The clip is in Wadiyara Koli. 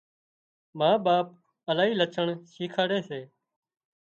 ما ٻاپ الاهي لڇڻ شيکاڙي سي